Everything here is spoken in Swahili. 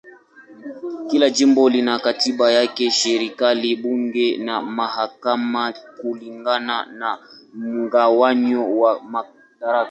Kila jimbo lina katiba yake, serikali, bunge na mahakama kulingana na mgawanyo wa madaraka.